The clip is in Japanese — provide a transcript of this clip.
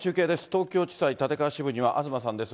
東京地裁立川支部には東さんです。